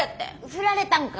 振られたんか。